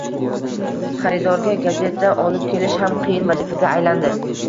Xaridorga gazeta olib kelish ham qiyin vazifaga aylandi